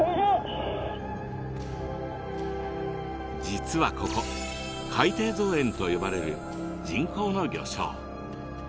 実はここ「海底造園」と呼ばれる人工の魚礁。